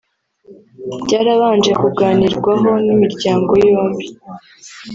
byarabanje kuganirwaho n’imiryango yombi